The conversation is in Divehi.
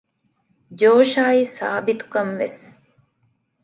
ޖޯޝާއި ސާބިތުކަންވެސް